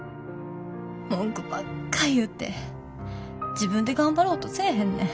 文句ばっか言うて自分で頑張ろうとせえへんねん。